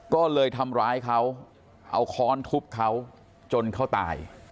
ก็เลยทำร้ายเขาเอาค้อนทุบเขาจนเขาตาย